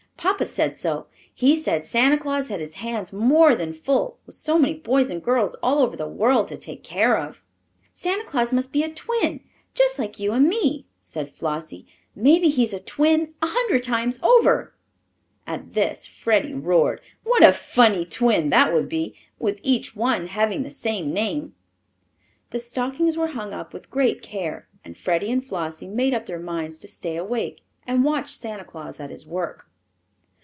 "Papa said so. He said Santa Claus had his hands more than full, with so many boys and girls all over the world to take care of." "Santa Claus must be a twin, just like you and me," said Flossie. "Maybe he's a twin a hundred times over." At this Freddie roared. "What a funny twin that would be with each one having the same name!" The stockings were hung up with great care, and Freddie and Flossie made up their minds to stay awake and watch Santa Claus at his work.